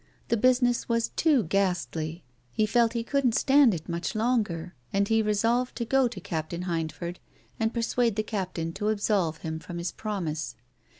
The business was too ghastly. He felt he couldn't stand it much longer, and he resolved to go to Captain Hind ford and persuade the Captain to absolve him from his promise.